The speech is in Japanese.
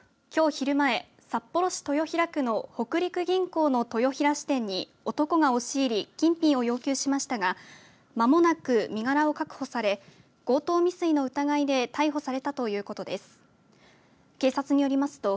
きょう昼前、札幌市豊平区の北陸銀行の豊平支店に男が押し入り金品を要求しましたが間もなく身柄を確保され強盗未遂の疑いで逮捕されたということです。